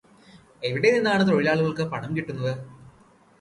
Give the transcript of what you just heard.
എവിടെനിന്നാണ് തൊഴിലാളികൾക്ക് പണം കിട്ടുന്നത്?